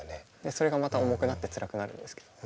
それがまた重くなってつらくなるんですけど。